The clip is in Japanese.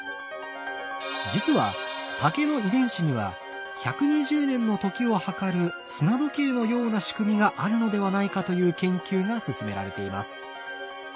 実は竹の遺伝子には１２０年の時を計る砂時計のような仕組みがあるのではないかという研究が進められています。